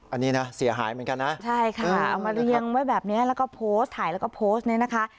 อันนี้นะเสียหายเหมือนกันนะใช่ค่ะเอามาเรียงไว้แบบนี้แล้วก็โพสต์ถ่ายแล้วก็โพสต์เนี่ยนะคะ